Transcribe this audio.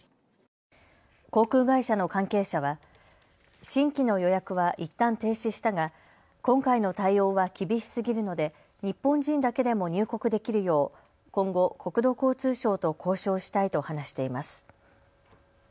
航空会社の関係者は新規の予約はいったん停止したが今回の対応は厳しすぎるので日本人だけでも入国できるよう今後、国土交通省と交渉したいと話しています。